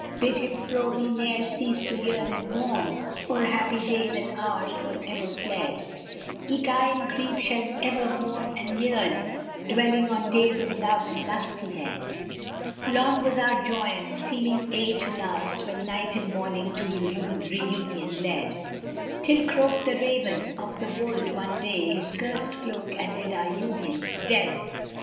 Bid him fro' me ne'er cease to yearn and mourn * O'er happy days and hours for ever fled: Eke I in grief shall ever mourn and yearn, * Dwelling on days of love and lustihead; Long was our joyance, seeming aye to last, * When night and morning to reunion led; Till croaked the Raven[FN#351] of the Wold one day * His cursed croak and did our union dead.